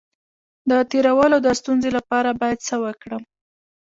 د تیرولو د ستونزې لپاره باید څه وکړم؟